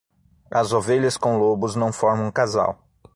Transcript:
As ovelhas com lobos não formam um casal.